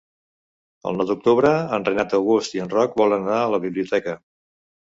El nou d'octubre en Renat August i en Roc volen anar a la biblioteca.